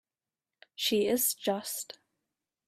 She is just.